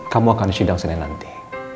kamu akan sidang senin nanti